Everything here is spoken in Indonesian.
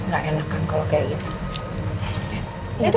gak enakan kalau kayak gitu